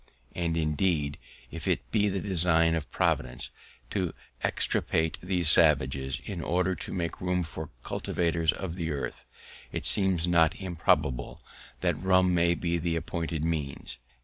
_" And, indeed, if it be the design of Providence to extirpate these savages in order to make room for cultivators of the earth, it seems not improbable that rum may be the appointed means.